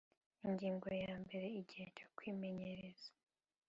Ingingo ya mbere Igihe cyo kwimenyereza